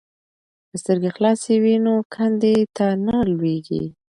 که سترګې خلاصې وي نو کندې ته نه لویږي.